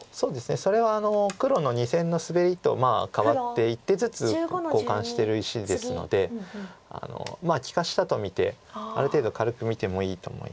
それは黒の２線のスベリと換わって１手ずつ交換してる石ですので利かしたと見てある程度軽く見てもいいと思います。